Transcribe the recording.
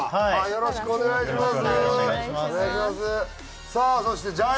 よろしくお願いします。